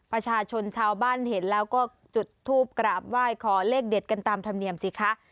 ประชาชนชาวบ้านเห็นแล้วก็จุดทูปกราบไหว้ขอเลขเด็ดกันตามธรรมเนียมสิคะ